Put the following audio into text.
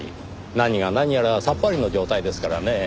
何が何やらさっぱりの状態ですからねぇ。